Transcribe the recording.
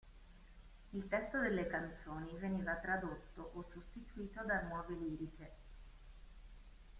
Il testo delle canzoni veniva tradotto o sostituito da nuove liriche.